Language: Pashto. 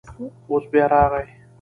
اوس بیا راغلی.